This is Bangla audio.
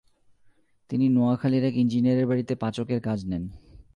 তিনি নোয়াখালির এক ইঞ্জিনিয়ারের বাড়িতে পাচকের কাজ নেন।